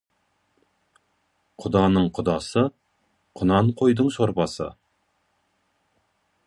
Құданың құдасы — құнан қойдың сорпасы.